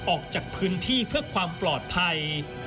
ออกจากพื้นที่เพื่อความปลอดภัย